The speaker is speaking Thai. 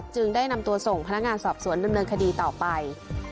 จึงได้นำตัวส่งพนักงานสอบสวนดำเนินคดีต่อไป